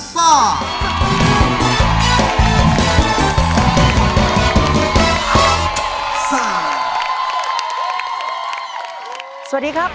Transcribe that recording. สวัสดีครับ